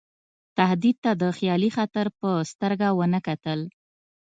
تهدید ته د خیالي خطر په سترګه ونه کتل.